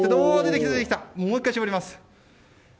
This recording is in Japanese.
もう１回搾ります。